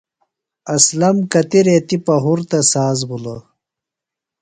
اسلم کتیۡ ریتی پہُرتہ ساز بِھلوۡ۔